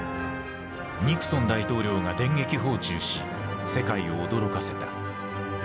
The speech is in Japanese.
ニクソン大統領が電撃訪中し世界を驚かせた。